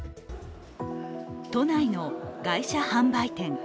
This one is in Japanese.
都内の外車販売店。